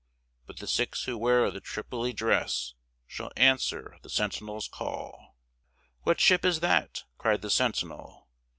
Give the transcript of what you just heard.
But the six who wear the Tripoli dress Shall answer the sentinel's call." "What ship is that?" cried the sentinel.